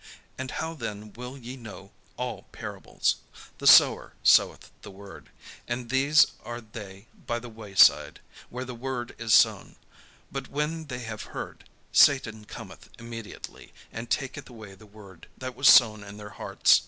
And how then will ye know all parables? The sower soweth the word. And these are they by the way side, where the word is sown; but when they have heard, Satan cometh immediately, and taketh away the word that was sown in their hearts.